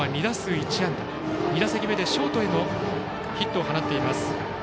２打席目でショートへのヒットを放っています。